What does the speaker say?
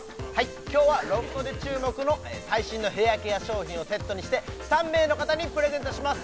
今日はロフトで注目の最新のヘアケア商品をセットにして３名の方にプレゼントします